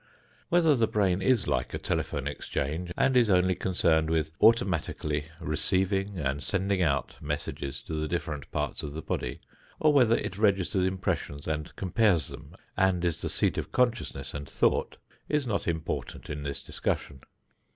Whether the brain is like a telephone exchange and is only concerned with automatically receiving and sending out messages to the different parts of the body, or whether it registers impressions and compares them and is the seat of consciousness and thought, is not important in this discussion.